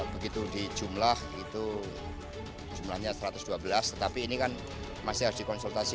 begitu di jumlah itu jumlahnya satu ratus dua belas tetapi ini kan masih harus dikonsultasi